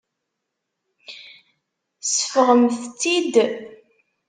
Seffɣemt-tt-id.